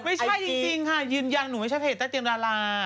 ไม่ใช่จริงค่ะยืนยันหนูไม่ใช่เพจใต้เตียงดารา